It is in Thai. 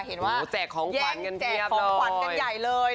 เห็นว่าแย่งแจกของขวัญกันใหญ่เลย